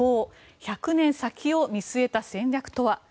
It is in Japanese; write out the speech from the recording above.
１００年先を見据えた戦略とは。